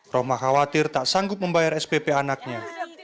roma khawatir tak sanggup membayar spp anaknya